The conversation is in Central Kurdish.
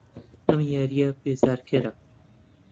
ئەم یارییە بێزارکەرە.